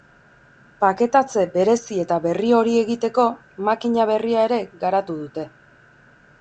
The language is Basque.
Paketatze berezi eta berri hori egiteko, makina berria ere garatu dute.